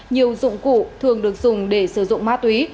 nhiều dụng cụ thường được dùng để sử dụng ma túy